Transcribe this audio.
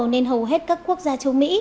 nên hầu hết các quốc gia châu mỹ